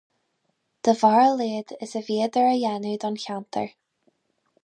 De bharr a laghad is a bhíodar a dhéanamh don cheantar.